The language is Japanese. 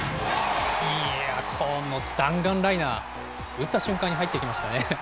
いやー、この弾丸ライナー、打った瞬間に入っていきましたね。